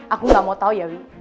aku gak mau tahu ya wi